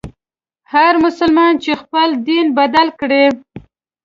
هر مسلمان چي خپل دین بدل کړي.